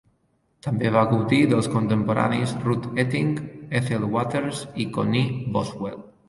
També va gaudir dels contemporanis, Ruth Etting, Ethel Waters, i Connee Boswell.